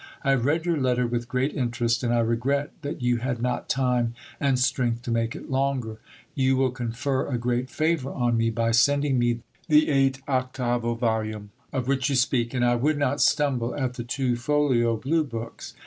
I have read your letter with great interest, and I regret that you had not time and strength to make it longer. You will confer a great favour on me by sending me the 8vo volume of which you speak, and I would not stumble at the two folio blue books....